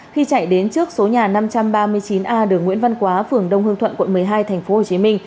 khi chạy đến trước số nhà năm trăm ba mươi chín a đường nguyễn văn quá phường đông hương thuận quận một mươi hai tp hcm